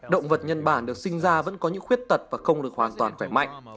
động vật nhân bản được sinh ra vẫn có những khuyết tật và không được hoàn toàn khỏe mạnh